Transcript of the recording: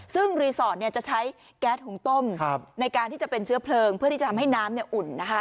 ซึ่งรีสอร์ทจะใช้แก๊สหุงต้มในการที่จะเป็นเชื้อเพลิงเพื่อที่จะทำให้น้ำอุ่น